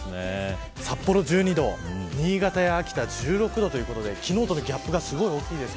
札幌１２度新潟や秋田１６度ということで昨日とのギャップが大きいです。